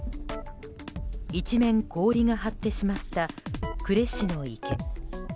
一面、氷が張ってしまった呉市の池。